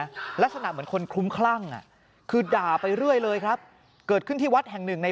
เพราะชาวบ้านบอกชาวบ้านต้องพูดแบบกระซิบด้วย